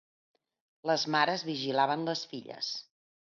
Les mares vigilaven les filles.